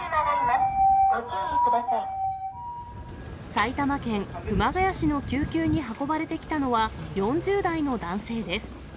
埼玉県熊谷市の救急に運ばれてきたのは、４０代の男性です。